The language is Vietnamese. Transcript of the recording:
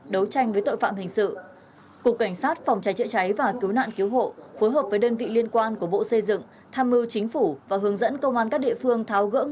đấu tranh với tội phạm hình sự cục cảnh sát phòng trái chữa cháy và cứu nạn cứu hộ phối hợp với đơn vị liên quan của bộ xây dựng